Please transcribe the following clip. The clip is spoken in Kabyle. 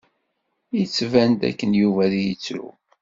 Yettban d akken Yuba ad yettru.